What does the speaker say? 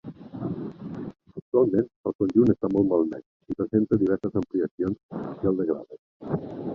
Actualment el conjunt està molt malmès i presenta diverses ampliacions que el degraden.